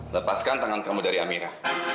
lepaskan tangan kamu dari amira